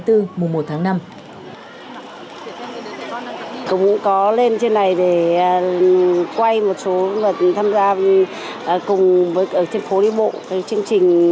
cũng có lên trên này để quay một số tham gia cùng với phố đi bộ